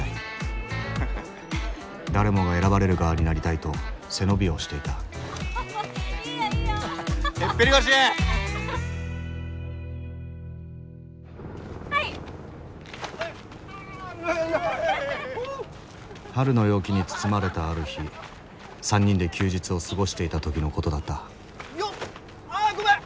誰もが選ばれる側になりたいと背伸びをしていた春の陽気に包まれたある日３人で休日を過ごしていた時のことだったああごめん！